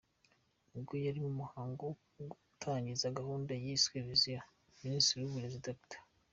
Ubwo yari mu muhango wo gutangiza gahunda yiswe “Viziyo”, Minisitiri w’Uburezi, Dr.